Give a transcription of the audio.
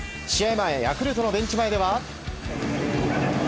前ヤクルトのベンチ前では。